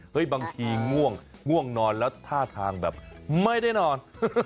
บางทีง่วงง่วงนอนแล้วท่าทางแบบไม่ได้นอน